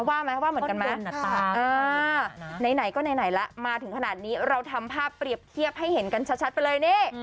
ว่าไหมว่าเหมือนกันไหมไหนก็ไหนแล้วมาถึงขนาดนี้เราทำภาพเปรียบเทียบให้เห็นกันชัดไปเลยนี่